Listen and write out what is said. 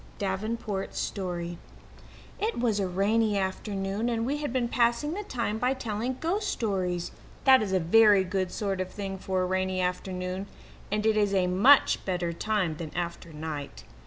Davenport's Story It was a rainy afternoon, and we had been passing the time by telling ghost stories. That is a very good sort of thing for a rainy afternoon, and it is a much better time than after night.